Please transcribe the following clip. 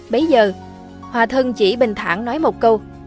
bây giờ hòa thân chỉ bình thẳng nói một câu